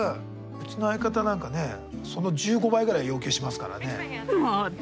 うちの相方なんかねその１５倍ぐらい要求しますからね。